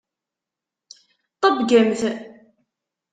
Ṭebbgemt!